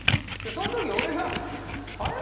その時に俺があれ？